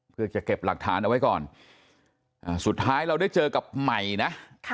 เพื่อจะเก็บหลักฐานเอาไว้ก่อนสุดท้ายเราได้เจอกับใหม่นะ